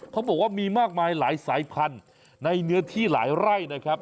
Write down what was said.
เขาบอกว่ามีมากมายหลายสายพันธุ์ในเนื้อที่หลายไร่นะครับ